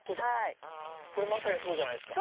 これまさにそうじゃないですか。